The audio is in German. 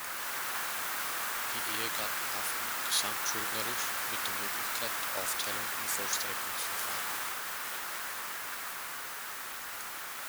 Die Ehegatten haften gesamtschuldnerisch, mit der Möglichkeit der Aufteilung im Vollstreckungsverfahren.